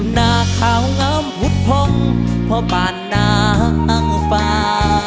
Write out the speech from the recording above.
หน้าข่าวงามหุดพ่องเพราะป่านนางฟ้า